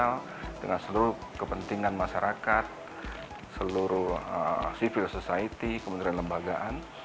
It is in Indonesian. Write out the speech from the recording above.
sosial dengan seluruh kepentingan masyarakat seluruh civil society kementerian lembagaan